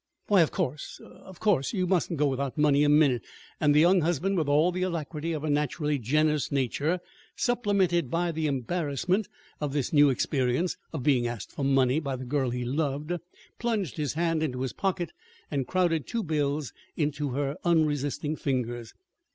"Why, of course, of course! You mustn't go without money a minute." And the young husband, with all the alacrity of a naturally generous nature supplemented by the embarrassment of this new experience of being asked for money by the girl he loved, plunged his hand into his pocket and crowded two bills into her unresisting fingers.